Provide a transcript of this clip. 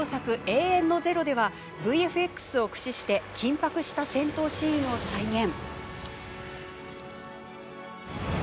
「永遠の０」ではＶＦＸを駆使して緊迫した戦闘シーンを再現。